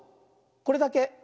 これだけ。